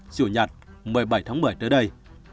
chủ nhật một mươi bảy tháng một mươi tới đây